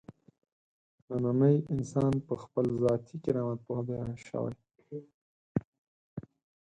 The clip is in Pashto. نننی انسان په خپل ذاتي کرامت پوه شوی.